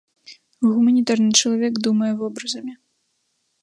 Гуманітарны чалавек думае вобразамі.